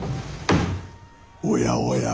おやおや